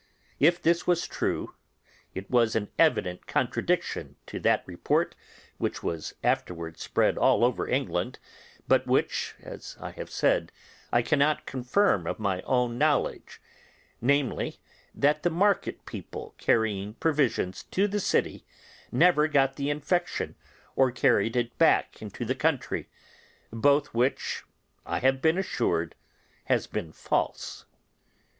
If this was true, it was an evident contradiction to that report which was afterwards spread all over England, but which, as I have said, I cannot confirm of my own knowledge: namely, that the market people carrying provisions to the city never got the infection or carried it back into the country; both which, I have been assured, has been false.